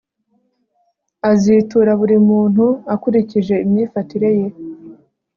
azitura buri muntu akurikije imyifatire ye